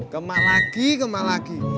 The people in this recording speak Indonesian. kemak lagi kemak lagi